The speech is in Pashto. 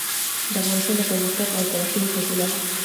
د افغانستان د پرمختګ او ترقي په هیله